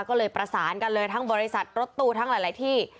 ก็เลยประสานกันเลยทั้งบริษัทรถตู้ทั้งหลายที่